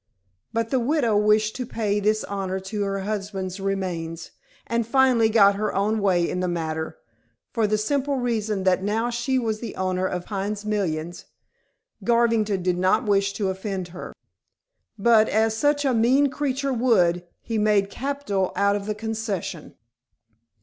But the widow wished to pay this honor to her husband's remains, and finally got her own way in the matter, for the simple reason that now she was the owner of Pine's millions Garvington did not wish to offend her. But, as such a mean creature would, he made capital out of the concession.